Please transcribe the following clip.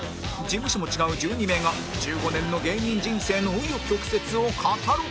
事務所も違う１２名が１５年の芸人人生の紆余曲折を語る